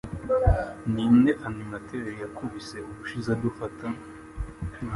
Ninde animateur yakubise ubushize adufata?